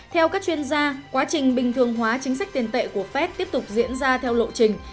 theo các chuyên gia quá trình bình thường hóa chính sách tiền tệ của fed tiếp tục diễn ra theo lộ trình